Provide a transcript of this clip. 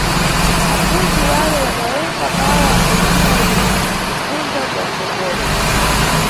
Apfundzi wale wadayenda pawo ambayimbira yino kupfundza bza tsogolo.